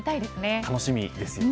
楽しみですよね。